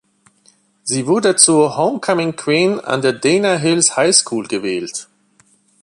Sie wurde zur „Homecoming Queen“ an der "Dana Hills High School" gewählt.